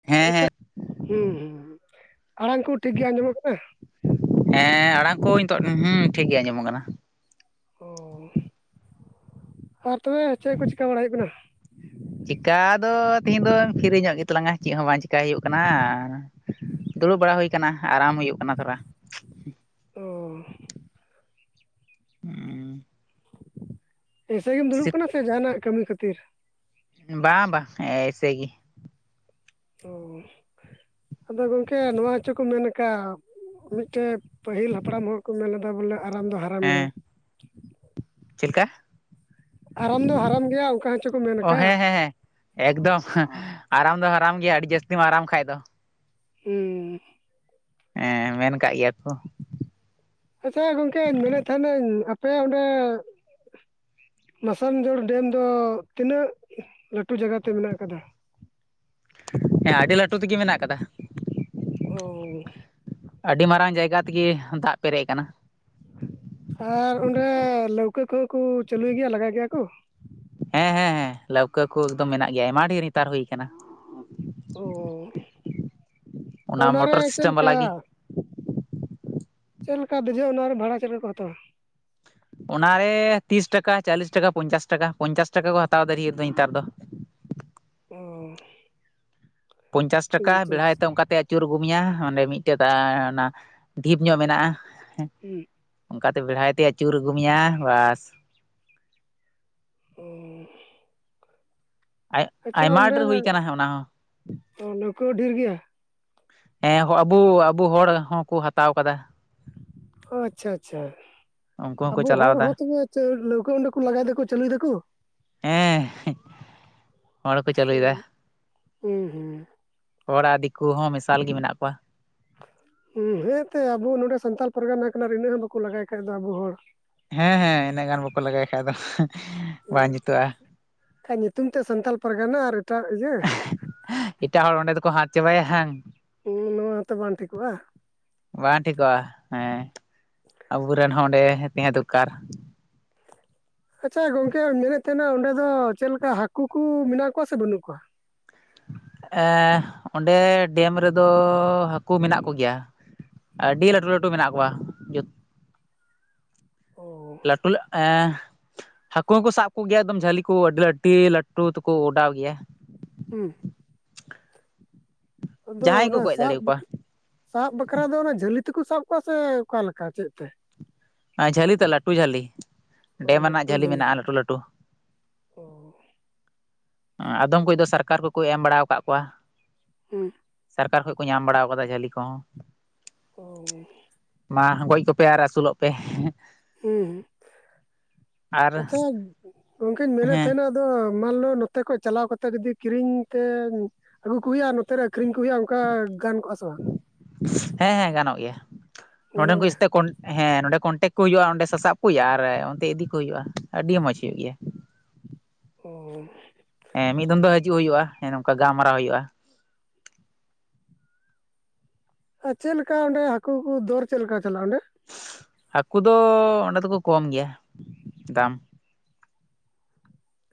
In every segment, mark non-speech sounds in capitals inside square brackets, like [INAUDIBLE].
[INAUDIBLE] ᱦᱮᱸ ᱦᱮᱸ ᱦᱩᱸ ᱦᱩᱸ ᱦᱩᱸ ᱟᱲᱟᱝ ᱠᱩ ᱴᱷᱤᱠ ᱜᱮ ᱟᱸᱡᱚᱢᱚᱜ ᱠᱟᱱᱟ? ᱦᱮᱸ ᱟᱲᱟᱝ ᱠᱚ ᱱᱤᱛᱚᱜ ᱦᱩᱸ ᱴᱷᱤᱠ ᱜᱮ ᱟᱸᱡᱚᱢᱚᱜ ᱟᱠᱟᱱᱟ᱾ ᱚᱻ ᱟᱨ ᱛᱚᱵᱮ ᱪᱮᱜ ᱠᱚ ᱪᱤᱠᱟᱹ ᱵᱟᱲᱟᱭ ᱦᱩᱭᱩᱜ ᱠᱟᱱᱟ? ᱪᱤᱠᱟ ᱫᱚ ᱛᱮᱦᱤᱧ ᱫᱚ ᱯᱷᱤᱨᱤ ᱧᱚᱜ ᱜᱮᱛᱟᱞᱟᱝᱟ ᱪᱮᱫ ᱦᱚᱸ ᱵᱟᱝ ᱪᱤᱠᱟᱹᱭ ᱦᱩᱭᱩᱜ ᱠᱟᱱᱟ᱾ ᱫᱩᱲᱩᱵ ᱵᱟᱲᱟ ᱦᱩᱭ ᱟᱠᱟᱱᱟ ᱟᱨᱟᱢ ᱦᱩᱭᱩᱜ ᱠᱟᱱᱟ ᱛᱷᱚᱲᱟ᱾ ᱚ᱾ ᱦᱩᱸ᱾ ᱮᱭᱥᱮ ᱜᱮᱢ ᱫᱩᱲᱩᱵ ᱠᱟᱱᱟ ᱥᱮ ᱡᱟᱦᱟᱱᱟᱜ ᱠᱟᱹᱢᱤ ᱠᱷᱟᱹᱛᱤᱨ? ᱵᱟᱝ ᱵᱟ, ᱮᱭᱻᱥᱮ ᱜᱤ᱾ ᱚ ᱟᱫᱚ ᱜᱚᱝᱠᱮ ᱱᱚᱣᱟ ᱦᱚᱪᱚ ᱠᱚ ᱢᱮᱱ ᱠᱟᱜ᱾ ᱢᱤᱜᱴᱮ ᱯᱟᱹᱦᱤᱞ ᱦᱟᱯᱲᱟᱢ ᱦᱚᱲ ᱠᱚ ᱢᱮᱱ ᱞᱮᱫᱟ ᱵᱚᱞᱮ ᱟᱨᱟᱢ ᱫᱚ ᱦᱟᱨᱟᱢ ᱜᱮᱭᱟ᱾ ᱪᱮᱞᱠᱟ? ᱟᱨᱟᱢ ᱫᱚ ᱦᱟᱨᱟᱢ ᱜᱮᱭᱟ ᱚᱝᱠᱟ ᱦᱚᱸᱪᱚ ᱠᱚ ᱢᱮᱱ ᱚ ᱠᱟᱜ᱾ ᱦᱮᱸ ᱦᱮᱸ ᱦᱮᱸ ᱮᱠᱫᱚᱢ, ᱟᱨᱟᱢ ᱫᱚ ᱦᱟᱨᱟᱢ ᱜᱮᱭᱟ ᱟᱹᱰᱤ ᱡᱟᱹᱥᱛᱤᱢ ᱟᱨᱟᱢ ᱠᱷᱟᱡ ᱫᱚ᱾ ᱦᱩᱸ ᱦᱮᱸ ᱢᱮᱱ ᱠᱟᱜ ᱜᱮᱭᱟ ᱠᱚ᱾ ᱟᱪᱷᱟ ᱜᱚᱝᱠᱮᱧ ᱢᱮᱱᱮᱜ ᱛᱟᱦᱮᱱᱟᱹᱧ ᱟᱯᱮᱭᱟᱜ ᱚᱸᱰᱮ ᱢᱟᱥᱟᱱᱡᱳᱲ ᱰᱮᱢ ᱫᱚ ᱛᱤᱱᱟᱹᱜ ᱞᱟᱹᱴᱩ ᱡᱟᱜᱟ ᱛᱮ ᱢᱮᱱᱟᱜ ᱟᱠᱟᱫᱟ? ᱦᱮᱸ, ᱟᱹᱰᱤ ᱞᱟᱹᱴᱩ ᱛᱮᱜᱤ ᱢᱮᱱᱟᱜ ᱠᱟᱫᱟ᱾ ᱳᱻ᱾ ᱟᱹᱰᱤ ᱢᱟᱨᱟᱝ ᱡᱟᱭᱜᱟ ᱛᱮᱜᱤ ᱫᱟᱜ ᱯᱮᱨᱮᱡ ᱟᱠᱟᱱᱟ᱾ ᱟᱨ ᱚᱸᱰᱮ ᱞᱟᱹᱣᱠᱟᱹ ᱠᱚᱦᱚᱸ ᱠᱩ ᱪᱟᱹᱞᱩᱭ ᱜᱮᱭᱟ ᱞᱟᱜᱟᱭ ᱜᱮᱭᱟ ᱠᱩ? ᱦᱮᱸ ᱦᱮᱸ ᱦᱮᱸ, ᱞᱟᱹᱣᱠᱟᱹ ᱠᱚ ᱮᱠᱫᱚᱢ ᱢᱮᱱᱟᱜ ᱜᱮᱭᱟ ᱟᱭᱢᱟ ᱰᱷᱮᱨ ᱱᱮᱛᱟᱨ ᱦᱩᱭ ᱟᱠᱟᱱᱟ᱾ ᱚᱻ ᱚᱱᱟ ᱨᱮ ᱢᱚᱴᱚᱨ ᱥᱤᱥᱴᱮᱢ ᱪᱮᱞᱠᱟ? ᱵᱟᱞᱟ ᱜᱮ ᱪᱮᱫ ᱞᱮᱠᱟ ᱫᱮᱡᱚᱜ ᱚᱱᱟᱨᱮ ᱵᱷᱟᱲᱟ ᱪᱮᱫ ᱞᱮᱠᱟ ᱠᱚ ᱦᱟᱛᱟᱣᱟ? ᱚᱱᱟᱨᱮ ᱛᱤᱥ ᱴᱟᱠᱟ ᱪᱟᱞᱤᱥ ᱴᱟᱠᱟ ᱯᱚᱧᱪᱟᱥ ᱴᱟᱠᱟ, ᱯᱚᱧᱪᱟᱥ ᱴᱟᱠᱟ ᱠᱚ ᱦᱟᱛᱟᱣ ᱰᱷᱮᱨ ᱫᱚ ᱱᱮᱛᱟᱨ ᱫᱚ᱾ ᱚ᱾ ᱯᱚᱧᱪᱟᱥ ᱴᱟᱠᱟ ᱯᱚᱧᱪᱟᱥ ᱵᱮᱲᱦᱟᱭ ᱛᱮ ᱚᱱᱠᱟ ᱛᱮ ᱪᱩᱨ ᱜᱩᱢᱭᱟ ᱚᱸᱰᱮ ᱢᱤᱜᱴᱮᱴᱟ ᱚᱱᱟ ᱰᱷᱤᱯ ᱧᱚᱜ ᱢᱮᱱᱟᱜᱼᱟ᱾ ᱩᱸ᱾ ᱚᱱᱠᱟᱛᱮ ᱵᱮᱲᱦᱟᱭ ᱛᱮ ᱟᱹᱪᱩᱨ ᱟᱹᱜᱩ ᱢᱮᱭᱟ ᱵᱟᱥ᱾ [INAUDIBLE] ᱟᱭ-ᱟᱭᱢᱟ ᱰᱮᱨ ᱦᱩᱭ ᱠᱟᱱᱟ ᱦᱟᱜ ᱚᱱᱟ ᱦᱚᱸ᱾ ᱛᱚ ᱞᱟᱹᱣᱠᱟᱹ ᱰᱷᱤᱨ ᱜᱮᱭᱟ? ᱦᱮᱸ ᱟᱵᱚ ᱟᱵᱚ ᱦᱚᱲ ᱦᱚᱸᱠᱚ ᱦᱟᱛᱟᱣ ᱠᱟᱫᱟ᱾ ᱟᱪᱪᱷᱟ ᱟᱪᱪᱷᱟ, ᱩᱱᱠᱩ ᱦᱚᱸᱠᱚ ᱟᱵᱚ ᱪᱟᱞᱟᱣ ᱦᱚᱲ ᱮᱫᱟ ᱦᱚᱸ ᱛᱚᱵᱮ ᱞᱟᱹᱣᱠᱟᱹ ᱚᱸᱰᱮ ᱠᱚ ᱞᱟᱜᱟᱭ ᱫᱟᱠᱚ ᱪᱟᱹᱞᱩᱭ ᱫᱟᱠᱚ? ᱮᱸ᱾ ᱦᱮᱸ ᱦᱩᱸ ᱦᱩᱸ᱾ ᱦᱚᱲ ᱟᱨ ᱫᱤᱠᱩ ᱦᱚᱸ ᱢᱮᱥᱟᱞ ᱜᱮ ᱢᱮᱱᱟᱜ ᱠᱚᱣᱟ᱾ ᱦᱩᱸ ᱦᱮᱸᱛᱮ ᱟᱵᱚ ᱱᱚᱰᱮ ᱥᱟᱱᱛᱟᱞ ᱯᱟᱨᱜᱟᱱᱟ ᱠᱟᱱᱟ ᱟᱨ ᱤᱱᱟᱹᱜ ᱦᱚᱸ ᱵᱟᱠᱚ ᱞᱟᱜᱟᱭ ᱠᱷᱟᱡ ᱫᱚ ᱟᱵᱚ ᱦᱚᱲ᱾ ᱦᱮᱸ ᱦᱮᱸ ᱤᱱᱟᱹᱜ ᱜᱟᱱ ᱵᱟᱠᱚ ᱞᱟᱜᱟᱭ ᱠᱷᱟᱡ ᱫᱚ ᱵᱟᱝ ᱡᱩᱛᱩᱜᱼᱟ᱾ ᱠᱷᱟ ᱧᱤᱛᱩᱢ ᱛᱮᱜ ᱥᱟᱱᱛᱟᱞ ᱯᱟᱨᱜᱟᱱᱟ ᱟᱨ ᱮᱴᱟᱜ ᱤᱭᱟᱹ᱾ ᱮᱴᱟᱜ ᱦᱚᱲ ᱚᱸᱰᱮ ᱫᱚᱠᱚ ᱦᱟᱛ ᱪᱟᱵᱟᱭᱟ ᱦᱟᱝ᱾ ᱱᱚᱣᱟ ᱦᱚᱸᱛᱚ ᱵᱟᱝ ᱴᱷᱤᱠᱚᱜᱼᱟ᱾ ᱵᱟᱝ ᱴᱷᱤᱠᱚᱜᱼᱟ ᱦᱮᱸ ᱟᱵᱚᱨᱮᱱ ᱦᱚᱸ ᱚᱸᱰᱮ ᱛᱟᱦᱮᱸ ᱫᱚᱨᱠᱟᱨ᱾ ᱟᱪᱷᱟ ᱜᱚᱝᱠᱮ ᱢᱮᱱᱮᱫ ᱛᱟᱦᱮᱱᱟ ᱚᱸᱰᱮ ᱫᱚ ᱪᱮᱫ ᱞᱮᱠᱟ ᱦᱟᱹᱠᱩ ᱠᱩ ᱢᱮᱱᱟᱜ ᱠᱚᱣᱟ ᱥᱮ ᱵᱟᱹᱱᱩᱜ ᱠᱚᱣᱟ? ᱮᱸ ᱚᱸᱰᱮ ᱰᱮᱢ ᱨᱮᱫᱚ ᱦᱟᱹᱠᱩ ᱢᱮᱱᱟᱜ ᱠᱚᱜᱮᱭᱟ᱾ ᱟᱹᱰᱤ ᱞᱟᱹᱴᱩ ᱞᱟᱹᱴᱩ ᱢᱮᱱᱟᱜ ᱠᱚᱣᱟ᱾ ᱚ ᱞᱟᱹᱴᱩ ᱞᱟ ᱟᱸ ᱦᱟᱹᱠᱩ ᱦᱚᱸᱠᱚ ᱥᱟᱵ ᱠᱚᱜᱮᱭᱟ ᱮᱠᱫᱚᱢ ᱡᱷᱟᱹᱞᱤ ᱠᱚ ᱟᱹᱰᱤ ᱞᱟᱹ ᱞᱟᱹᱴᱩ ᱛᱮᱠᱚ ᱚᱰᱟᱣ ᱜᱮᱭᱟ᱾ ᱦᱩᱸ ᱟᱫᱚ ᱡᱟᱦᱟᱸᱭ ᱠᱚ ᱚᱱᱟ ᱜᱚᱡ ᱥᱟᱵ ᱫᱟᱲᱮ ᱵᱟᱠᱷ ᱟᱠᱚᱣᱟ ᱥᱟᱵ ᱵᱟᱠᱷᱨᱟ ᱫᱚ ᱚᱱᱟ ᱡᱷᱟᱹᱞᱤ ᱛᱮᱠᱚ ᱥᱟᱵ ᱠᱚᱣᱟ ᱥᱮ ᱚᱠᱟᱞᱮ ᱞᱮᱠᱟ ᱪᱮᱫ ᱛᱮ? ᱡᱷᱟᱹᱞᱤ ᱛ ᱞᱟᱹᱴᱩ ᱡᱷᱟᱹᱞᱤ᱾ ᱟ ᱞᱟᱹᱴᱩ ᱡᱷᱟᱞᱤ ᱞᱟᱴᱩ ᱞᱟᱴᱩ ᱚ ᱟᱫᱚᱢ ᱠᱚᱫᱚ ᱥᱚᱨᱠᱟᱨ ᱠᱚᱠᱚ ᱮᱢ ᱵᱟᱲᱟ ᱟᱠᱟᱫ ᱠᱚᱣᱟ᱾ ᱦᱩᱸ ᱥᱚᱨᱠᱟᱨ ᱠᱷᱚᱡ ᱠᱚ ᱧᱟᱢ ᱵᱟᱲᱟ ᱟᱠᱟᱫᱟ ᱡᱷᱟᱹᱞᱤ ᱠᱚᱦᱚᱸ᱾ ᱚᱻ ᱢᱟ ᱜᱚᱡ ᱠᱚᱯᱮ ᱟᱨ ᱟᱹᱥᱩᱞᱚᱜ ᱯᱮ᱾ ᱦᱩᱸ ᱦᱩᱸ ᱟᱨ ᱟᱪᱷᱟ ᱜᱚᱝᱠᱮᱧ ᱢᱮᱱᱮᱫ ᱦᱮᱸ ᱛᱟᱦᱮᱱᱟ ᱫᱚ ᱢᱟᱱ ᱞᱚ ᱱᱚᱛᱮ ᱠᱷ ᱪᱟᱞᱟᱣ ᱠᱟᱛᱮ ᱡᱩᱚᱫᱤ ᱠᱤᱨᱤᱧ ᱢᱮᱛᱭᱟ ᱟᱹᱜᱩ ᱠᱚ ᱦᱩᱭᱩᱜᱼᱟ ᱱᱚᱛᱮ ᱨᱮ ᱟᱠᱷᱨᱤᱧ ᱠᱚ ᱦᱩᱭᱩᱜᱼᱟ ᱚᱱᱠᱟ ᱜᱟᱱ ᱠᱚᱜᱼᱟ ᱥᱮ ᱵᱟᱝ? ᱦᱮᱸ ᱦᱮᱸ ᱜᱟᱱᱚᱜ ᱜᱮᱭᱟ ᱜᱟᱱᱚᱜ ᱱᱚᱸᱰᱮᱱ ᱠᱚ ᱜᱮᱭᱟ? ᱤᱥᱛᱮ ᱦᱮᱸ ᱱᱚᱸᱰᱮ ᱠᱚᱱᱴᱮᱠ ᱠᱚ ᱦᱩᱭᱩᱜᱼᱟ, ᱚᱸᱰᱮ ᱥᱟᱥᱵ ᱠᱚ ᱦᱩᱭᱩᱜᱼᱟ, ᱟᱨ ᱚᱱᱛᱮ ᱤᱫᱤ ᱠᱚ ᱦᱩᱭᱩᱜᱼᱟ ᱟᱹᱰᱤ ᱢᱚᱸᱡᱽ ᱦᱩᱭᱩᱜ ᱜᱮᱭᱟ᱾ ᱚᱻ ᱦᱮᱸ ᱢᱤᱫ ᱫᱤᱱ ᱫᱚ ᱦᱤᱡᱩᱜ ᱦᱩᱭᱩᱜᱼᱟ, ᱦᱮᱸ ᱱᱚᱝᱠᱟ ᱜᱟᱞᱢᱟᱨᱟᱣ ᱦᱩᱭᱩᱜᱼᱟ᱾ ᱟᱨ ᱪᱮᱫ ᱞᱮᱠᱟ ᱚᱸᱰᱮ ᱦᱟᱠᱩ ᱠᱚ ᱫᱚᱨ ᱪᱮᱫ ᱞᱮᱠᱟ ᱪᱟᱞᱟᱜᱼᱟ ᱚᱸᱰᱮ? ᱦᱟᱹᱠᱩ ᱫᱚ ᱚᱸᱰᱮ ᱫᱚᱠᱚ ᱠᱚᱢ ᱜᱮᱭᱟ ᱫᱟᱢ᱾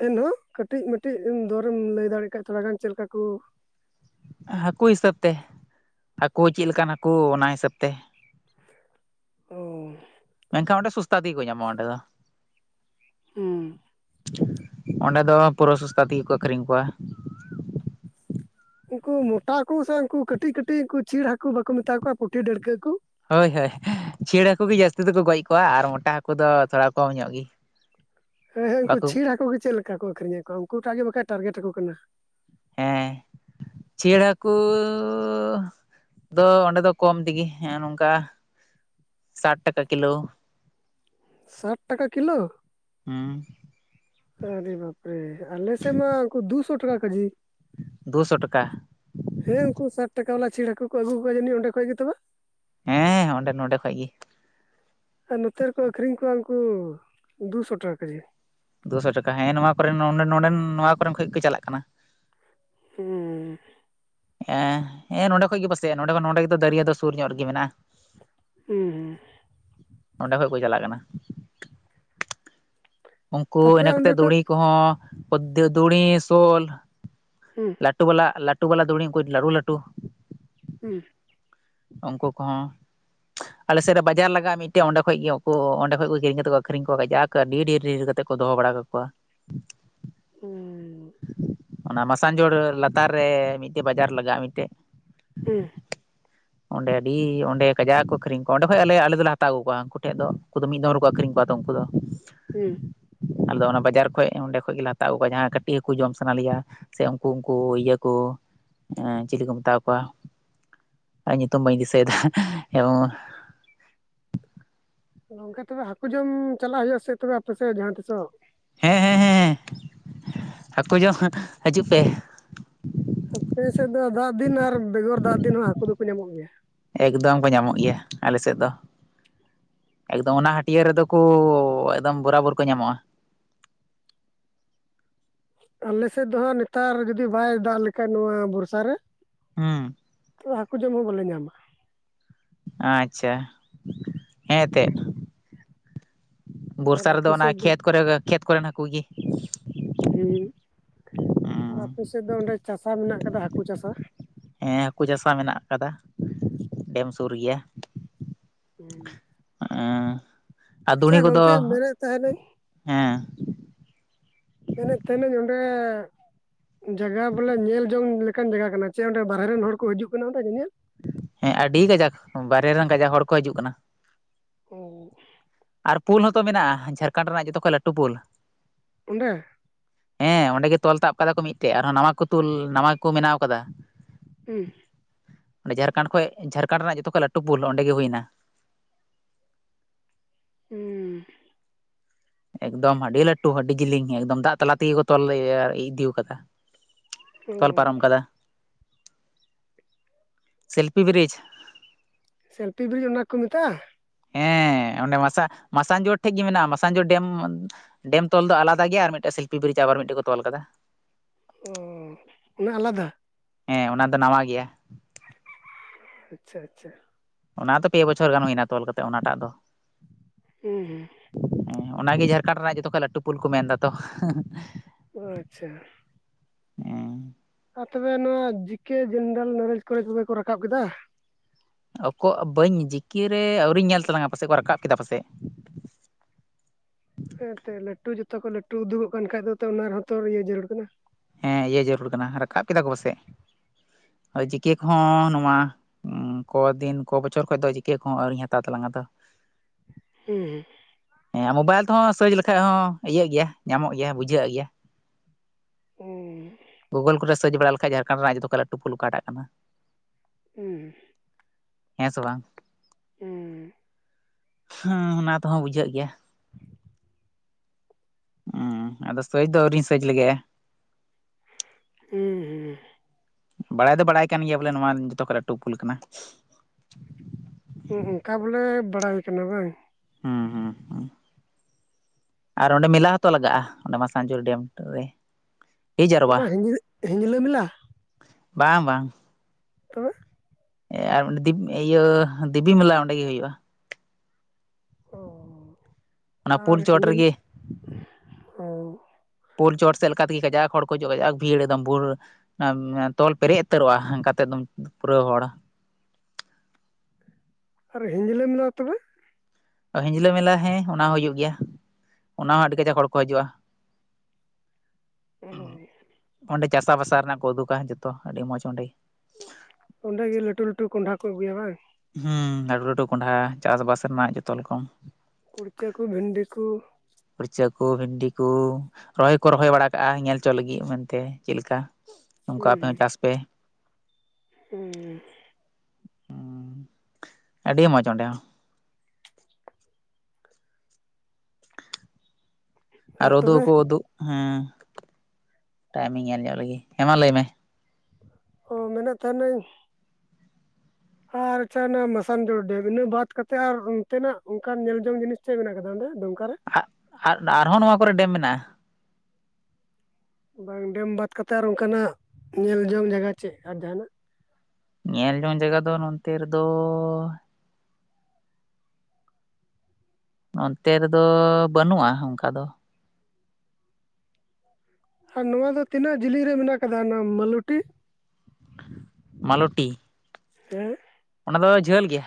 ᱮᱱᱦᱚᱸ ᱠᱟᱹᱴᱤᱡ ᱢᱴᱤᱡ ᱫᱚᱨᱮᱢ ᱞᱟᱹᱭ ᱫᱟᱲᱮᱭᱟᱜ ᱠᱷᱟᱱ ᱛᱷᱚᱲ ᱜᱟᱱ ᱪᱮᱫ ᱞᱮᱠᱟ ᱠᱚ? ᱦᱟᱹᱠᱩ ᱦᱤᱥᱟᱹᱵ ᱛᱮ ᱦᱟᱹᱠᱩ ᱪᱮᱫ ᱞᱮᱠᱟᱱ ᱱᱟᱠᱩ ᱚᱱᱟ ᱦᱤᱥᱟᱹᱵ ᱛᱮ᱾ ᱚᱻ ᱢᱮᱱᱠᱷᱟᱱ ᱚᱸᱰᱮ ᱥᱚᱥᱛᱟ ᱛᱮᱜᱮ ᱠᱚ ᱧᱟᱢᱟ ᱚᱸᱰᱮ ᱫᱚ᱾ ᱦᱩᱸ ᱚᱸᱰᱮ ᱫᱚ ᱯᱩᱨᱟᱹ ᱥᱩᱚᱥᱛᱟ ᱛᱮᱜᱮ ᱠᱚ ᱟᱹᱷᱨᱤᱧ ᱠᱚᱣᱟ᱾ ᱩᱱᱠᱩ ᱢᱚᱴᱟ ᱠᱚ ᱥᱮ ᱩᱱᱠᱩ ᱠᱟᱹᱴᱤᱡ ᱠᱟᱹᱴᱤᱡ ᱩᱱᱠᱩ ᱪᱲᱱ ᱦᱟᱹᱠᱩ ᱵᱟᱠᱚ ᱢᱮᱛᱟ ᱠᱚᱣᱟ ᱯᱩᱴᱷᱤ ᱰᱟᱹᱲᱠᱟᱹ ᱠᱚ᱾ ᱦᱳᱭ ᱦᱳᱭ ᱪᱷᱤᱲ ᱦᱟᱹᱠᱩ ᱜᱮ ᱡᱟᱹᱥᱛᱤ ᱫᱚᱠᱚ ᱜᱚᱡ ᱠᱚᱜᱣᱟ ᱟᱨ ᱢᱚᱴᱟ ᱦᱟᱹᱠᱩ ᱫᱚ ᱛᱷᱚᱲᱟ ᱠᱚᱢ ᱧᱚᱜ ᱜᱤ᱾ [INAUDIBLE] ᱦᱮᱸ ᱦᱮᱸ ᱩᱱᱠᱩ ᱪᱷᱲ ᱦᱟᱹᱠᱩ ᱜᱮ ᱪᱮᱫᱮ ᱞᱮᱠᱟ ᱠᱚ ᱟᱹᱷᱨᱤᱧ ᱟᱠ ᱠᱚᱣᱟ ᱩᱱᱠᱩ ᱴᱟᱜ ᱜᱮ ᱵᱟᱠᱷᱟ ᱴᱟᱨᱜᱮᱴ ᱟᱠᱚ ᱠᱟᱱᱟ᱾ ᱦᱮᱸ ᱪᱤᱭᱟᱲ ᱦᱟᱠᱩᱻ ᱫᱚ ᱚᱸᱰᱮ ᱫᱚ ᱠᱚᱢ ᱛᱮᱜᱮ ᱱᱚᱝᱠᱟ ᱥᱟᱴ ᱴᱟᱠᱟ ᱠᱤᱞᱳ᱾ ᱥᱟᱴ ᱴᱟᱠᱟ ᱠᱤᱞᱳ ᱦᱮᱸ ᱟᱹᱨᱮ ᱵᱟᱯᱨᱮ ᱟᱞᱮ ᱥᱮᱫ ᱢᱟ ᱩᱱᱠᱩ ᱫᱩᱥᱚ ᱴᱟᱠᱟ ᱠᱮᱡᱤ᱾ ᱫᱩ ᱥᱚ ᱴᱟᱠᱟ᱾ ᱦᱮᱸ ᱩᱱᱠᱩ ᱥᱟᱴ ᱴᱟᱠᱟ ᱵᱟᱞᱟ ᱪᱷᱲᱱ ᱦᱠᱩ ᱠᱚ ᱟᱹᱜᱩ ᱠᱚᱣᱟ ᱡᱟᱹᱱᱤᱡ ᱚᱸᱰᱮ ᱠᱷᱚᱱ ᱜᱮ ᱛᱚᱵᱮ᱾ ᱦᱮᱸ ᱚᱸᱰᱮ ᱱᱚᱰᱮ ᱠᱷᱚᱡ ᱜᱤ᱾ ᱟᱨ ᱱᱚᱛᱮ ᱨᱮᱠᱚ ᱟᱹᱠᱷᱨᱤᱧ ᱠᱚᱣᱟ ᱩᱱᱠᱩ ᱫᱩᱥᱚ ᱴᱟᱠᱟ ᱠᱮᱡᱤ᱾ ᱫᱩᱥᱚ ᱴᱟᱠᱟ ᱦᱮᱸ ᱱᱚᱣᱟ ᱠᱚᱨᱮᱱ ᱱᱚ ᱱᱚᱰᱮᱱ ᱱᱚᱣᱟ ᱠᱚᱨᱮᱱ ᱠᱷᱚᱱᱚᱡ ᱜᱮ ᱪᱟᱞᱟᱜ ᱠᱟᱱᱟ᱾ ᱦᱩᱸᱻ ᱦᱮᱸ ᱦᱮᱸ ᱱᱚᱸᱰᱮ ᱠᱷᱚᱡ ᱜᱮ ᱯᱟᱥᱮᱡ ᱱᱚᱰᱮ ᱱᱚᱰᱮᱚ ᱫᱟᱹᱨᱭᱟᱹ ᱫᱚ ᱥᱩᱨ ᱧᱚᱜ ᱨᱮᱜᱮ ᱢᱮᱱᱟᱜᱼᱟ᱾ ᱦᱮᱸ ᱦᱩᱸ ᱚᱸᱰᱮ ᱠᱷᱚᱡ ᱠᱚ ᱪᱟᱞᱟᱜ ᱠᱟᱱᱟ᱾ ᱩᱱᱠᱩ ᱟᱯᱮ ᱤᱱᱟᱹ ᱠᱟᱛᱮ ᱚᱸᱰᱮ ᱠᱚ ᱫᱩᱲᱤ ᱠᱚᱦᱚᱸ ᱚᱨᱦᱚ ᱫᱩᱲᱤ ᱥᱳᱞ ᱦᱮᱸ ᱾ ᱞᱟᱹᱴᱩ ᱵᱟᱞᱟ ᱞᱟᱹᱴᱩ ᱵᱟᱞᱟ ᱫᱩᱲᱤ ᱞᱟᱹᱴᱩ ᱞᱴᱩ [UNINTELLIGIBLE] ᱦᱩᱸ ᱾ ᱩᱱᱠᱩ ᱠᱚᱦᱚᱸ ᱾ ᱟᱞᱮᱮᱥᱮᱫ ᱨᱮ ᱵᱟᱡᱟᱨ ᱞᱟᱜᱟᱜᱼᱟ ᱢᱤᱫᱴᱮᱡ ᱚᱸᱰᱮ ᱠᱷᱚᱡ ᱜᱮ ᱩᱱᱠᱩ ᱚᱸᱰᱮ ᱠᱷᱚᱡ ᱠᱚ ᱠᱤᱨᱤᱧ ᱠᱟᱛᱮᱣᱟ ᱟᱠᱷᱨᱤᱧ ᱠᱚᱣᱟ ᱡᱟᱹᱰᱤ ᱰᱷᱮᱨ ᱾ ᱵᱤᱨ ᱠᱟᱛᱮ ᱠᱚ ᱫᱚᱦᱚ ᱵᱟᱲᱟ ᱠᱟᱠᱚᱣᱟ ᱦᱩᱸ ᱚᱱᱟ ᱢᱟᱥᱟᱝᱡᱷᱳᱲ ᱞᱟᱛᱟᱨ ᱨᱮ ᱢᱤᱫᱴᱮᱡ ᱵᱟᱡᱟᱨ ᱞᱟᱜᱟᱜᱼᱟ ᱢᱤᱫᱴᱮᱡ ᱦᱮᱸ ᱾ ᱚᱸᱰᱮ ᱟᱹᱰᱤ ᱚᱸᱰᱮ ᱠᱟᱡᱟ ᱠᱚ ᱟᱹᱷᱨᱤᱧ ᱠᱚᱣᱟ ᱚᱸᱰᱮ ᱠᱷᱚᱡ ᱟᱮ ᱟᱞᱮ ᱫᱚᱞᱮ ᱦᱟᱛᱣᱟᱜᱩ ᱠᱚᱣᱟ ᱩᱱᱠᱩ ᱴᱷᱮᱱ ᱫᱚ ᱩᱱᱠᱩ ᱫᱚ ᱢᱤᱫ ᱫᱚᱢ ᱨᱮᱠᱚ ᱟᱠᱷᱨᱤᱧ ᱠᱚᱣᱟ ᱛᱚ ᱩᱱᱠᱩ ᱫᱚ ᱾ ᱦᱸ [INAUDIBLE] ᱦᱮᱸ ᱾ ᱟᱫᱚ ᱚᱱᱟ ᱵᱟᱡᱟᱨ ᱠᱷᱚᱡ ᱚᱸᱰᱮ ᱠᱷᱚᱡ ᱜᱮᱞᱮ ᱦᱟᱛᱟᱣ ᱟᱹᱜᱩᱣᱟ ᱡᱟᱦᱟᱸ ᱠᱟᱹᱴᱤᱡ ᱦᱟᱹᱠᱩ ᱡᱚᱢ ᱥᱟᱱᱟ ᱞᱮᱭᱟ ᱥᱮ ᱩᱱᱠᱩ ᱩᱱᱠᱩ ᱤᱭᱟᱹᱠᱩ ᱪᱤᱞᱤ ᱠᱚ ᱢᱮᱛᱟ ᱠᱚᱣᱟ ᱟᱨ ᱧᱩᱛᱩᱢ ᱵᱟᱹᱧ ᱫᱤᱥᱟᱹᱭᱮᱫᱟ ᱮᱵᱚᱝ ᱜᱚᱝᱠᱮ ᱛᱚᱵᱮ ᱦᱟᱹᱠᱩ ᱡᱚᱢ ᱪᱟᱞᱟᱜ ᱦᱩᱭᱩᱜᱼᱟ ᱥᱮ ᱛᱚᱵᱮ ᱟᱯᱮ ᱥᱮᱫ ᱡᱟᱦᱟᱸ ᱛᱤᱥᱚᱜ ᱾ ᱦᱮᱸ ᱦᱮᱸ ᱦᱮᱸ ᱦᱟᱹᱠᱩ ᱡᱚᱢ ᱦᱤᱡᱩᱜ ᱯᱮ ᱾ ᱟᱯᱮ ᱥᱮᱫ ᱫᱚ ᱫᱟᱜ ᱫᱤᱱ ᱟᱨ ᱵᱮᱜᱚᱨ ᱫᱟᱜ ᱫᱤᱱ ᱦᱚᱸ ᱦᱟᱹᱠᱩ ᱫᱚᱠᱚ ᱧᱟᱢᱚᱜ ᱜᱮᱭᱟ ᱾ ᱮᱠᱫᱚᱢ ᱠᱚ ᱧᱟᱢᱚᱜ ᱜᱮᱭᱟ ᱟᱞᱮ ᱾ᱥᱮᱫ ᱫᱚ [INAUDIBLE] ᱮᱠᱫᱚᱢ ᱚᱱᱟ ᱦᱟᱹᱴᱤᱭᱟᱹ ᱨᱮᱫᱚ ᱠᱚ ᱮᱠᱫᱚᱢ ᱵᱚᱨᱟᱵᱚᱨ ᱠᱚ ᱧᱟᱢᱚᱜᱼᱟ ᱾ ᱟᱞᱮ ᱥᱮᱫ ᱫᱚᱦᱟᱸᱜ ᱱᱮᱛᱟᱨ ᱡᱩᱫᱤ ᱵᱟᱭ ᱫᱟᱜ ᱞᱮᱠᱷᱟᱡ ᱱᱚᱣᱟ ᱵᱚᱨᱥᱟ ᱨᱮ ᱦᱩᱸ ᱛ ᱦᱟᱹᱠᱩ ᱡᱚᱢ ᱦᱚᱸ ᱵᱟᱞᱮ ᱧᱟᱢᱟ ᱾ ᱟᱪᱷᱟ ᱾ ᱦᱮᱸ ᱛᱮᱫ ᱟᱨ ᱵᱚᱨᱥᱟ ᱨᱮ ᱫᱚ ᱟᱯᱮ ᱚᱱᱟ ᱥᱮᱫ ᱠᱷᱮᱛ ᱠᱚᱨᱮ ᱠᱷᱮᱛ ᱠᱚᱨᱮᱱ ᱦᱟᱹᱠᱩ ᱜᱮ ᱾ ᱦᱩᱸ ᱟᱨ ᱟᱯᱮ ᱥᱮᱫ ᱫᱚ ᱚᱸᱰᱮ ᱪᱟᱥᱟ ᱢᱮᱱᱟᱜ ᱟᱠᱟᱫᱟ ᱦᱟᱹᱠᱩ ᱪᱟᱥᱟ ᱾ ᱦᱮᱸ ᱦᱟᱹᱠᱩ ᱪᱟᱥᱟ ᱢᱮᱱᱟᱜ ᱟᱠᱟᱫᱟ ᱾ ᱰᱮᱢ ᱥᱩᱨ ᱜᱮᱭᱟ ᱾ ᱦᱮᱸ ᱾ ᱦᱮᱸ ᱟᱨ ᱫᱩᱲᱤ ᱠᱚᱫᱚ ᱜᱚᱝᱠᱮ ᱢᱮᱱᱮᱫ ᱛᱟᱦᱮᱱᱟᱹᱧ ᱦᱮᱸ ᱢᱮᱱ ᱮᱫ ᱛᱟᱦᱮᱱᱟᱹᱧ ᱚᱸᱰᱮ ᱡᱟᱭᱜᱟ ᱵᱚᱞᱮ ᱧᱮᱞ ᱡᱚᱝ ᱾ ᱚᱱᱠᱟᱱ ᱡᱟᱭᱜᱟ ᱠᱟᱱᱟ ᱪᱮ ᱚᱸᱰᱮ ᱵᱟᱨᱦᱨᱮ ᱨᱮᱱ ᱦᱚᱲ ᱠᱚ ᱦᱤᱡᱩᱜ ᱠᱟᱱᱟ ᱚᱰᱸᱮ ᱧᱮᱧᱮᱞ ᱦᱮᱸ ᱟᱹᱰᱤ ᱠᱟᱡᱟᱠ ᱵᱟᱨᱦᱨᱮ ᱨᱮᱱ ᱠᱟᱡᱟᱠ ᱦᱚᱲ ᱠᱚ ᱦᱤᱡᱩᱜ ᱠᱟᱱᱟ ᱾ ᱚᱸ ᱾ ᱟᱨ ᱯᱩᱞ ᱦᱚᱸᱛᱚ ᱢᱮᱱᱟᱜᱼᱟ ᱡᱷᱟᱲᱠᱷᱚᱸᱰ ᱨᱮᱱᱟᱜ ᱡᱚᱛᱚ ᱠᱷᱚᱡ ᱞᱟᱹᱴᱩ ᱯᱩᱞ ᱾ ᱚᱸᱰᱮ ᱾ ᱦᱮᱸ ᱚᱸᱰᱮ ᱜᱮ ᱛᱚᱞ ᱛᱟᱵ ᱠᱟᱫᱟ ᱠᱚ ᱢᱤᱫᱴᱮᱡ ᱟᱨᱦᱚᱸ ᱱᱟᱣᱟ ᱠᱚ ᱛᱩᱞ ᱱᱟᱣᱟ ᱜᱮ ᱠᱚ ᱵᱮᱱᱟᱣ ᱠᱟᱫᱟ ᱾ ᱦᱩᱸ ᱾ ᱡᱷᱟᱲᱠᱷᱚᱸᱰ ᱠᱷᱚᱡ ᱡᱷᱟᱲᱠᱷᱚᱸᱰ ᱨᱮᱱᱟᱜ ᱡᱚᱛᱚ ᱠᱷᱚᱡ ᱞᱟᱹᱴᱩ ᱯᱩᱞ ᱚᱸᱰᱮ ᱜᱮ ᱦᱩᱭᱮᱱᱟ ᱾ ᱦᱩᱸ ᱾ ᱮᱠᱫᱚᱢ ᱟᱹᱰᱤ ᱞᱟᱹᱴᱩ ᱟᱹᱰᱤ ᱡᱤᱞᱤᱧ ᱮᱠᱫᱚᱢ ᱫᱟᱜ ᱛᱟᱞᱟ ᱛᱮ ᱜᱮ ᱠᱚ ᱛᱚᱞ ᱤᱫᱤ ᱟᱠᱟᱫᱟ ᱚ ᱾ ᱛᱚᱞ ᱯᱟᱨᱚᱢ ᱠᱟᱫᱟ ᱥᱤᱞᱯᱤ ᱵᱨᱤᱡᱽ ᱾ ᱥᱮᱞᱯᱷᱤ ᱵᱨᱤᱡᱽ ᱚᱱᱟ ᱠᱚ ᱢᱮᱛᱟᱜ-ᱟ ᱦᱮᱸ ᱚᱱᱮ ᱢᱟᱥᱟ ᱢᱟᱥᱟᱝᱡᱳᱲ ᱴᱷᱮᱡ ᱜᱮ ᱢᱮᱱᱟᱜ-ᱟ ᱢᱟᱥᱟᱝᱡᱳᱲ ᱰᱮᱢ ᱰᱮᱢ ᱛᱚᱞ ᱫᱚ ᱟᱞᱟᱫᱟ ᱜᱮᱭᱟ ᱟᱨ ᱢᱤᱫᱴᱮᱱ ᱥᱤᱞᱯᱤ ᱵᱨᱤᱡᱽ ᱟᱵᱟᱨ ᱢᱤᱫᱴᱮᱡ ᱠᱚ ᱛᱚᱞ ᱠᱟᱫᱟ ᱾ ᱚᱻ ᱚᱱᱟ ᱟᱞᱟᱫᱟ ᱾ ᱦᱮᱸ ᱚᱱᱟ ᱫᱚ ᱱᱟᱣᱟ ᱜᱮᱭᱟ ᱾ [INAUDIBLE] ᱟᱪᱪᱷᱟ ᱟᱪᱪᱷᱟ ᱾ ᱚᱱᱟ ᱫᱚ ᱯᱮ ᱵᱚᱪᱷᱚᱨ ᱜᱟᱱ ᱦᱩᱭᱱᱟ ᱛᱚᱞ ᱠᱟᱛᱮ ᱚᱱᱟ ᱴᱟᱜ ᱫᱚ ᱾ ᱦᱮᱸ ᱦᱮᱸ ᱾ ᱦᱮᱸ ᱚᱱᱟ ᱜᱮ ᱡᱷᱟᱨᱠᱷᱚᱸᱰ ᱨᱮᱱᱟᱜ ᱡᱚᱛᱚ ᱠᱷᱚᱡ ᱞᱟᱹᱴᱩ ᱯᱩᱞ ᱠᱚ ᱢᱮᱱ ᱫᱟ ᱛᱚ ᱟᱪᱷᱟ ᱾ ᱦᱮᱸ ᱟᱨ ᱛᱚᱵᱮ ᱱᱚᱣᱟ ᱡᱤ ᱠᱮ ᱡᱮᱱᱟᱨᱮᱞ ᱱᱚᱞᱮᱡᱽ ᱠᱚᱨᱮ ᱠᱚᱜᱮ ᱠᱚ ᱨᱟᱠᱟᱵ ᱠᱮᱫᱟ ᱾ ᱚᱠᱚ ᱵᱟᱹᱧ ᱡᱤᱠᱤᱨᱮ ᱟᱹᱣᱨᱤᱧ ᱧᱮᱞ ᱛᱟᱞᱟᱝᱟ ᱯᱟᱥᱮᱡ ᱠᱚ ᱨᱟᱠᱟᱵ ᱠᱮᱫᱟ ᱯᱟᱥᱮᱡ ᱦᱮᱸᱛᱚ ᱞᱟᱹᱴᱩ ᱡᱚᱛᱚ ᱠᱚ ᱞᱟᱹᱴᱩ ᱩᱫᱩᱜᱚᱜ ᱠᱟᱱ ᱠᱷᱟᱡ ᱚᱱᱟ ᱨᱮᱦᱚᱛᱚ ᱤᱭᱟᱹ ᱡᱟᱹᱨᱩᱲ ᱠᱟᱱᱟ ᱦᱮᱸ ᱤᱭᱟᱹ ᱡᱟᱹᱨᱩᱲ ᱠᱟᱱᱟ ᱨᱟᱠᱟᱵ ᱠᱮᱫᱟ ᱠᱚ ᱯᱟᱥᱮᱡ ᱟ ᱪᱤᱠᱤ ᱠᱚᱦᱚᱸ ᱱᱚᱶᱟ ᱠᱚᱫᱤᱱ ᱠᱚ ᱵᱚᱪᱷᱚᱨ ᱠᱷᱚᱱ ᱫᱚ ᱡᱤᱠᱮ ᱠᱚᱦᱚᱸ ᱟᱹᱣᱨᱤᱧ ᱦᱟᱛᱟᱣ ᱛᱟᱞᱟᱝ ᱟ ᱛᱚ ᱦᱮᱸ ᱦᱮᱸ ᱦᱮᱸ ᱢᱳᱵᱟᱭᱤᱞ ᱛᱮᱦᱚᱸ ᱥᱟᱹᱨᱪ ᱞᱮᱠᱷᱟᱡ ᱦᱚᱸ ᱤᱭᱟᱹᱜ ᱜᱮᱭᱟ ᱧᱟᱢᱚᱜ ᱜᱮᱭᱟ ᱵᱩᱡᱷᱟᱹᱜ ᱜᱮᱭᱟ ᱦᱮᱸ ᱜᱳᱜᱳᱞ ᱠᱚᱨᱮ ᱥᱟᱨᱪ ᱵᱟᱲᱟ ᱞᱮᱠᱷᱟᱡ ᱡᱷᱟᱲᱠᱷᱚᱸᱰ ᱨᱮᱱᱟᱜ ᱡᱚᱛᱚᱠᱷᱚᱡ ᱞᱟᱹᱴᱩ ᱯᱩᱞ ᱚᱠᱟᱴᱟᱜ ᱠᱟᱱᱟ ᱦᱮᱸ ᱦᱮᱸ ᱥᱮ ᱵᱟᱝ ᱦᱮᱸ ᱦᱮᱸ ᱚᱱᱟ ᱛᱮᱦᱚᱸ ᱵᱩᱡᱷᱟᱹᱜ ᱜᱮᱭᱟ ᱦᱩᱸ ᱟᱫᱚ ᱥᱟ. ᱡ ᱟᱹᱣᱨᱤᱧ ᱥᱟᱹᱡ ᱞᱮᱜᱟ. ᱭᱜ ᱮ ᱦᱩᱸ ᱦᱩᱸ ᱵᱟᱲᱟᱭ ᱫᱚ ᱵᱟᱲᱟᱭ ᱠᱟᱱ ᱜᱮᱭᱟ ᱵᱚᱞᱮ ᱱᱚᱶᱟ ᱡᱚᱛᱚ ᱠᱷᱚᱡ ᱞᱟᱹᱴᱩ ᱯᱩᱞ ᱠᱟᱱᱟ᱾ ᱦᱩᱸ ᱦᱩᱸ ᱚᱝᱠᱟ ᱵᱚᱞᱮ ᱵᱟᱲᱟᱭ ᱦᱩᱭ ᱟᱠᱟᱱᱟ ᱵᱟᱝ ᱦᱩᱸ ᱦᱩᱸ ᱦᱩᱸ ᱟᱨ ᱚᱸᱰᱮ ᱢᱮᱞᱟ ᱦᱚᱸᱛᱚ ᱞᱟᱜᱟᱜ-ᱟ ᱚᱸᱰᱮ ᱢᱟᱥᱟᱝᱡᱳᱲ ᱰᱮᱢ ᱨᱮ ᱦᱮ ᱡᱟᱨᱣᱟ ᱚᱱᱟ ᱦᱤᱧᱟ ᱦᱤᱧᱡᱽᱞᱟᱹ ᱢᱮᱞᱟ ᱵᱟᱝ ᱵᱟᱝ ᱛᱚᱵᱮ ᱟᱨ ᱤᱭᱟᱹ ᱫᱤᱵᱤ ᱢᱮᱞᱟ ᱚᱸᱰᱮ ᱜᱮ ᱦᱩᱭᱩᱜ-ᱟ ᱚ ᱚᱱᱟ ᱟᱨ ᱯᱩᱞ ᱪᱚᱴ ᱦᱤᱸᱡᱽᱞᱟᱹ ᱨᱤᱜᱤ ᱚ ᱯᱳᱞ ᱪᱚᱴ ᱥᱮᱫ ᱞᱮᱠᱟ ᱛᱮᱜᱮ ᱜᱟᱡᱟᱜ ᱦᱚᱲ ᱠᱚ ᱦᱤᱡᱚᱜ ᱜᱟᱡᱟᱜ ᱵᱷᱤᱲ ᱮᱠᱫᱚᱢ ᱵᱷᱩᱲ ᱛᱚᱞ ᱯᱮᱨᱮᱡ ᱩᱛᱟᱹᱨᱚᱜᱼᱟ ᱦᱟᱸᱠᱟᱛᱮ ᱮᱠᱫᱚᱢ ᱯᱩᱨᱟᱹ ᱦᱚᱲ ᱟᱨ ᱦᱤᱡᱽᱞᱟᱹ ᱢᱮᱞᱟ ᱛᱚᱵᱮ ᱚ ᱦᱤᱧᱡᱽᱞᱟᱹ ᱢᱮᱞᱟ ᱦᱮᱸ ᱚᱱᱟ ᱦᱚᱸ ᱦᱩᱭᱩᱜ ᱜᱮᱭᱟ ᱚᱱᱟ ᱦᱚᱸ ᱟᱹᱰᱤ ᱠᱟᱡᱟᱠ ᱦᱚᱲ ᱠᱚ ᱦᱤᱡᱩᱜᱼᱟ [INAUDIBLE] [INAUDIBLE] ᱚᱸᱰᱮ ᱪᱟᱥᱟ ᱵᱷᱟᱥᱟ ᱨᱮᱱᱟᱜ ᱠᱚ ᱩᱫᱩᱜᱟ ᱡᱚᱛᱚ ᱟᱹᱰᱤ ᱢᱚᱸᱡᱽ ᱚᱸᱰᱮ ᱚᱸᱰᱮ ᱜᱤ ᱞᱟᱹᱴᱩ ᱞᱟᱹᱴᱩ ᱠᱚᱸᱦᱚᱰᱟ ᱠᱚ ᱟᱹᱜᱩᱭᱟ ᱵᱟᱝ ᱦᱩᱸ ᱞᱟᱹᱴᱩ ᱞᱟᱹᱴᱩ ᱠᱚᱸᱰᱷᱟᱦᱟ ᱪᱟᱥ ᱵᱟᱥ ᱨᱮᱱᱟᱜ ᱡᱚᱛᱚ ᱨᱚᱠᱚᱢ ᱠᱩᱲᱪᱟᱹ ᱠᱩ, ᱵᱷᱤᱱᱰᱤ ᱠᱩ ᱠᱩᱲᱪᱟ ᱠᱩ ᱵᱷᱤᱱᱰᱤ ᱠᱩ ᱨᱚᱦᱚᱭ ᱠᱚ ᱨᱚᱦᱚᱭ ᱵᱟᱲᱟ ᱠᱟᱜᱼᱟ ᱧᱮᱞ ᱚᱪᱚ ᱞᱟᱹᱜᱤᱫ ᱢᱮᱱᱛᱮ ᱪᱮᱫ ᱞᱮᱠᱟ? ᱱᱚᱝᱠᱟ ᱦᱩᱸ ᱟᱯᱮ ᱦᱚᱸ ᱪᱟᱥ ᱯᱮ᱾ ᱦᱩᱸ ᱟᱹᱰᱤ ᱢᱚᱡᱽ ᱚᱸᱰᱮ ᱦᱚᱸ ᱟᱨ ᱩᱫᱩᱜ ᱦᱚᱠᱩ ᱩᱫᱩᱜ ᱦᱮᱸ ᱴᱟᱭᱤᱢᱤᱝ ᱧᱮᱞ ᱧᱚᱜ ᱞᱮᱜᱤ ᱦᱮᱢᱟ ᱞᱟᱹᱭ ᱢᱮ ᱚ ᱢᱮᱱᱮᱫ ᱛᱟᱦᱮᱱᱟᱹᱧ ᱟᱨ ᱟᱪᱷᱟ ᱚᱱᱟ ᱢᱟᱥᱟᱱᱡᱳᱲ ᱰᱮᱢ ᱤᱱᱟᱹ ᱵᱟᱫ ᱠᱟᱛᱮᱫ ᱟᱨ ᱚᱱᱛᱮᱱᱟᱜ ᱚᱱᱠᱟ ᱧᱮᱞ ᱡᱚᱝ ᱡᱤᱱᱤᱥ ᱪᱮᱫ ᱢᱮᱱᱟᱜ ᱟᱠᱟᱫᱟ ᱚᱸᱰᱮ ᱫᱩᱢᱠᱟ ᱨᱮ? ᱟᱨ ᱟ ᱟᱨᱦᱚᱸ ᱱᱚᱶᱟ ᱠᱚᱨᱮ ᱰᱮᱢ ᱢᱮᱱᱟᱜ-ᱟ ᱵᱟᱝ ᱰᱮᱢ ᱵᱟᱫ ᱠᱟᱛᱮᱫ ᱟᱨ ᱚᱱᱠᱟᱱᱟᱜ ᱧᱮᱞ ᱡᱚᱝ ᱡᱟᱭᱜᱟ ᱪᱮᱫ ᱟᱨ ᱡᱟᱦᱱᱟᱜ? ᱧᱮᱞ ᱡᱚᱝ ᱡᱟᱭᱜᱟ ᱫᱚ ᱱᱚᱛᱮ ᱨᱮᱫᱚ ᱚᱱᱛᱮ ᱨᱮᱫᱚ ᱵᱟᱹᱱᱩᱜ-ᱟ ᱚᱱᱠᱟ ᱫᱚ ᱟᱨ ᱱᱚᱶᱟ ᱫᱚ ᱛᱤᱱᱟᱹᱜ ᱡᱤᱞᱤᱧ ᱨᱮ ᱢᱮᱱᱟᱜ ᱠᱟᱫᱟ ᱚᱱᱟ ᱢᱟᱞᱩᱴᱤ? ᱢᱟᱞᱚᱴᱤ ᱦᱮᱸ ᱚᱱᱟ ᱫᱚ ᱡᱷᱟᱹᱞ ᱜᱮᱭᱟ᱾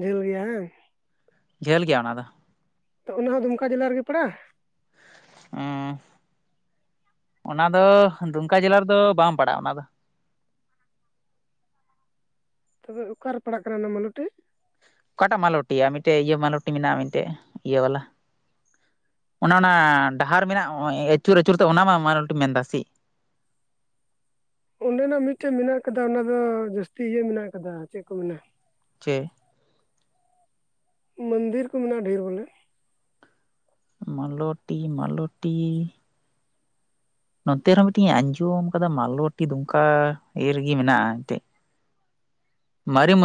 ᱡᱷᱟᱹᱞ ᱜᱮᱭᱟ ᱦᱟᱝ᱾ ᱡᱷᱟᱹᱞ ᱜᱮᱭᱟ ᱚᱱᱟ ᱫᱚ᱾ ᱛᱚ ᱚᱱᱟ ᱦᱚᱸ ᱫᱩᱢᱠᱟ ᱡᱮᱞᱟ ᱨᱮᱜᱮ ᱯᱟᱲᱟᱜ-ᱟ᱾ ᱦᱟᱸ ᱚᱱᱟ ᱫᱚ ᱫᱩᱢᱠᱟ ᱡᱮᱞᱟ ᱨᱮᱫᱚ ᱵᱟᱝ ᱯᱟᱲᱟᱜ-ᱟ ᱚᱱᱟ ᱫᱚ ᱛᱚᱵᱮ ᱚᱠᱟᱨᱮ ᱯᱟᱲᱟᱜ ᱠᱟᱱᱟ ᱚᱱᱟ ᱢᱟᱱᱚᱴᱤᱡ᱾ ᱚᱠᱟᱴᱟᱜ ᱢᱟᱞᱚᱴᱤᱭᱟ ᱢᱤᱴᱮᱜ ᱤᱭᱟᱹ ᱢᱟᱞᱚᱴᱤ ᱢᱤᱫᱴᱮᱡ ᱤᱭᱟᱹ ᱵᱟᱞᱟ᱾ ᱚᱱᱟ ᱚᱱᱟ ᱰᱟᱦᱟᱨ ᱢᱮᱱᱟᱜ ᱟᱹᱪᱩᱨ ᱟᱹᱪᱩᱨ ᱛᱮ ᱚᱱᱟ ᱢᱟ ᱢᱟᱞᱚᱴᱤᱜ ᱢᱮᱱ ᱫᱟ ᱥᱮ ᱥᱤᱜ ᱚᱸᱰᱮ ᱱᱟᱜ ᱢᱤᱫᱴᱮᱡ ᱢᱮᱱᱟᱜ ᱟᱠᱟᱫᱟ ᱚᱱᱟ ᱫᱚ ᱡᱟᱹᱥᱛᱤ ᱤᱭᱟᱹ ᱢᱮᱱᱟᱜ ᱟᱠᱟᱫᱟ ᱪᱮᱫ ᱠᱚ ᱢᱮᱱᱟ᱾ ᱪᱮ ᱢᱚᱱᱫᱤᱨ ᱠᱚ ᱢᱮᱱᱟᱜ-ᱟ ᱰᱷᱤᱨ ᱵᱚᱞᱮ᱾ ᱢᱟᱞᱚᱴᱤ ᱢᱟᱞᱚᱴᱤ ᱱᱚᱛᱮ ᱨᱮᱦᱚᱸ ᱢᱤᱫᱴᱡ ᱤᱧ ᱟᱸᱡᱚᱢ ᱟᱠᱟᱫᱟ ᱢᱟᱞᱚᱴᱤ ᱫᱩᱢᱠᱟ ᱤᱭᱟᱹ ᱨᱮᱜᱮ ᱢᱮᱱᱟᱜ-ᱟ ᱮᱱᱛᱮᱡ᱾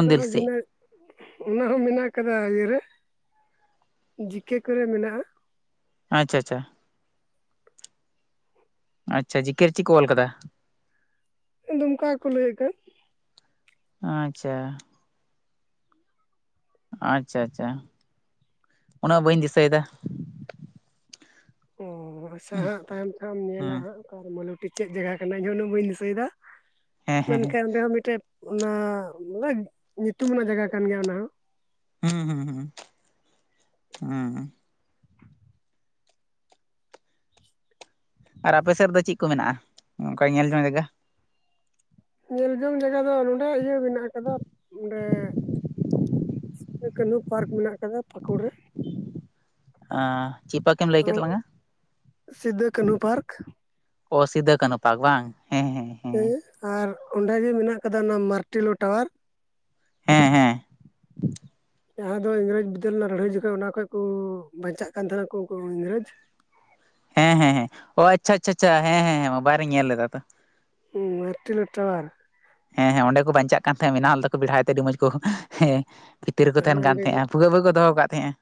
ᱮ ᱥᱮᱫ ᱵᱷᱟᱜᱱᱟ ᱚᱱᱟ ᱦᱚᱸ ᱢᱮᱱᱟᱜ ᱟᱠᱟᱫᱟ ᱤᱭᱟᱹᱨᱮ ᱡᱤᱠᱮ ᱠᱚᱨᱮ ᱢᱮᱱᱟᱜ-ᱟ᱾ ᱟᱪᱷᱟ ᱟᱪᱷᱟ ᱟᱪᱪᱷᱟ ᱡᱤᱠᱮ ᱨᱮ ᱪᱤᱜ ᱠᱚ ᱚᱞ ᱠᱟᱫᱟ᱾ ᱫᱚᱢᱠᱟ ᱜᱮᱠᱚ ᱞᱟᱹᱭ ᱟᱠᱟᱫ ᱟᱪᱪᱷᱟ ᱟᱪᱪᱷᱟ ᱟᱪᱪᱷᱟ ᱩᱱᱟᱹᱜ ᱵᱟᱹᱧ ᱫᱤᱥᱟᱹᱭ ᱫᱟ ᱟᱪᱷᱟ ᱦᱟᱸᱜ ᱛᱟᱭᱚᱢ ᱛᱮ ᱦᱟᱸᱜ ᱮᱢ ᱧᱮᱞᱟ ᱦᱩᱸ ᱦᱟᱸᱜ, ᱢᱟᱞᱩᱴᱤ ᱪᱮᱫ ᱡᱟᱭᱜᱟ ᱠᱟᱱᱟ? ᱤᱧ ᱦᱚ ᱩᱱᱟᱜ ᱵᱟᱹᱧ ᱫᱤᱥᱟᱭ ᱫᱟ ᱫᱤᱥᱟᱹᱭ ᱫᱟ᱾ ᱦᱮᱸ ᱦᱮᱸ ᱢᱮᱱᱠᱷᱟᱡ ᱚᱸᱰᱮ ᱦᱚᱸ ᱢᱤᱫᱴᱮᱡ ᱚᱱᱟ ᱚᱱᱟ ᱧᱩᱛᱩᱢ ᱟᱱᱟᱜ ᱡᱟᱭᱜᱟ ᱠᱟᱱ ᱜᱮᱭᱟ ᱚᱱᱟᱦᱚ᱾ ᱦᱩᱸ ᱦᱩᱸ ᱦᱩᱸ ᱦᱩᱸ [INAUDIBLE] ᱟᱨ ᱟᱯᱮ ᱥᱮᱫ ᱫᱚ ᱪᱮᱫ ᱠᱚ ᱢᱮᱱᱟᱜᱼᱟ᱾ ᱚᱱᱠᱟ ᱧᱮᱞ ᱡᱚᱝ ᱡᱟᱭᱜᱟ ᱧᱮᱞ ᱡᱚᱝ ᱡᱟᱭᱜᱟ ᱫᱚ ᱱᱚᱸᱰᱮ ᱤᱭᱟᱹ ᱢᱮᱱᱟᱜ ᱟᱠᱟᱫᱟ᱾ ᱚᱸᱰᱮ ᱠᱟᱹᱱᱦᱩ ᱯᱟᱨᱠ ᱢᱮᱱᱟᱜ ᱟᱠᱟᱫᱟ ᱯᱟᱠᱩᱲ ᱨᱮ᱾ ᱟ ᱥᱤᱫᱷᱟ. ᱠᱟᱹᱱᱦᱩ ᱯᱟᱨᱠᱚ᱾ ᱚ ᱥᱤᱫᱷᱟᱹ ᱠᱟᱱᱩ ᱯᱟᱨᱠᱚ ᱵᱟᱝ ᱦᱮᱸ ᱦᱮᱸ ᱟᱨ ᱚᱸᱰᱮ ᱜᱮ ᱢᱮᱱᱟᱜ ᱟᱠᱟᱫᱟ ᱚᱱᱟ ᱢᱟᱨᱴᱮᱞᱳ ᱴᱟᱣᱟᱨ ᱦᱮᱸ ᱦᱮᱸ ᱡᱟᱦᱟᱸ ᱫᱚ ᱤᱝᱨᱮᱡᱽ ᱵᱤᱫᱟᱹᱞ ᱨᱮᱱᱟᱜ ᱞᱟᱹᱲᱦᱟᱹᱭ ᱡᱚᱠᱷᱮᱡ ᱚᱱᱟ ᱠᱷᱚᱡ ᱠᱚ ᱵᱟᱧᱪᱟᱜ ᱠᱟᱱ ᱛᱟᱦᱮᱱᱟ ᱩᱱᱠᱩ ᱤᱝᱨᱮᱡᱽ ᱦᱮᱸ ᱦᱮᱸ ᱚ ᱟᱪᱪᱷᱟ ᱟᱪᱪᱷᱟ ᱦᱮᱸ ᱦᱮᱸ ᱢᱚᱵᱟᱭᱤᱞ ᱨᱮᱧ ᱧᱮᱞ ᱞᱮᱫᱟ ᱛᱚ᱾ ᱦᱩ ᱢᱟᱨᱴᱤᱞᱳ ᱴᱟᱣᱟᱨ ᱦᱮᱸ ᱦᱮᱸ ᱚᱸᱰᱮ ᱠᱚ ᱵᱟᱧᱪᱟᱜ ᱠᱟᱱ ᱛᱟᱦᱮᱸᱫ, ᱢᱮᱱᱟᱣ ᱞᱮᱫᱟ ᱠᱚ ᱵᱮᱲᱦᱟᱭ ᱛᱮ ᱟᱹᱰᱤ ᱢᱚᱸᱡᱽ ᱠᱚ, ᱦᱮᱸ ᱵᱷᱤᱛᱤᱨ ᱨᱮᱠᱚ ᱦᱮᱸ ᱛᱟᱦᱮᱱ ᱠᱟᱱ ᱚᱸᱰᱮ ᱜᱮ ᱛᱟᱦᱮᱸᱼᱟ᱾ ᱵᱷᱩᱜᱟᱹᱜ ᱵᱷᱩᱵᱟᱹᱜ ᱠᱚ ᱫᱚᱦᱚ ᱟᱠᱟᱫ ᱛᱟᱦᱮᱸᱜᱼᱟ᱾